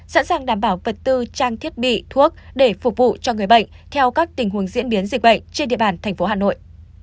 sẵn sàng đảm bảo vật tư trang thiết bị thuốc để phục vụ cho người bệnh theo các tình huống diễn biến dịch bệnh trên địa bàn thành phố hà nội